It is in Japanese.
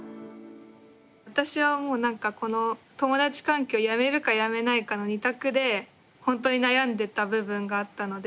私はもうなんかこの友達関係をやめるかやめないかの２択でほんとに悩んでた部分があったので。